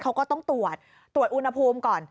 เขาก็ต้องตรวจตรวจอุณหภูมิก่อน